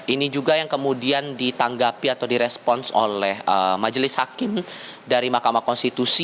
ini juga yang kemudian ditanggapi atau direspons oleh majelis hakim dari mahkamah konstitusi